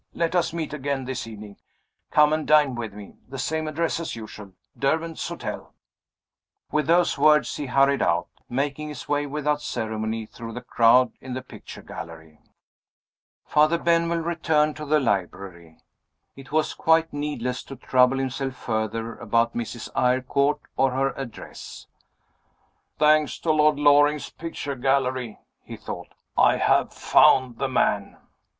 Let us meet again this evening. Come and dine with me. The same address as usual Derwent's Hotel." With those words he hurried out, making his way, without ceremony, through the crowd in the picture gallery. Father Benwell returned to the library. It was quite needless to trouble himself further about Mrs. Eyrecourt or her address. "Thanks to Lord Loring's picture gallery," he thought, "I have found the man!"